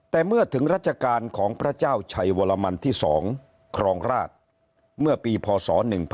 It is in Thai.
แต่เมื่อถึงรัชกาลของพระเจ้าชัยวรมันที่๒ครองราชเมื่อปีพศ๑๕